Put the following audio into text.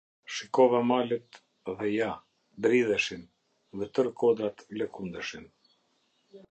Shikova malet, dhe ja, dridheshin, dhe tërë kodrat lëkundeshin.